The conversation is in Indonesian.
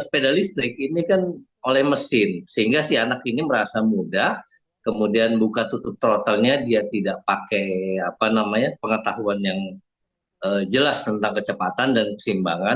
sepeda listrik ini kan oleh mesin sehingga si anak ini merasa mudah kemudian buka tutup trottle nya dia tidak pakai pengetahuan yang jelas tentang kecepatan dan kesimbangan